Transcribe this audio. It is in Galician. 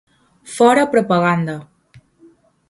Fora propaganda.